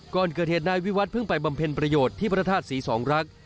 ก่อนเกิดเหตุนายวิวัตเพิ่งไปบำเพ็ญประโยชน์ที่พระธาตุศรีสองรัก